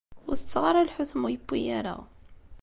Ur tetteɣ ara lḥut ma ur yewwi ara.